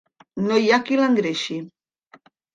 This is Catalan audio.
No hi ha qui l'engreixi.